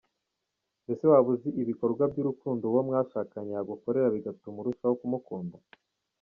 Mbese waba uzi ibikorwa by’urukundo uwo mwashakanye yagukorera bigatuma urushaho kumukunda ?